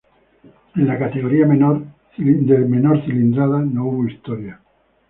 En la categoría menor cilindrada, no hubo historia.